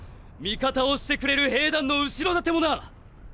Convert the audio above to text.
味方をしてくれる兵団の後ろ盾もな！！